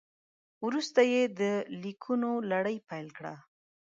وروسته یې د لیکونو لړۍ پیل کړه.